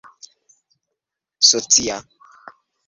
socia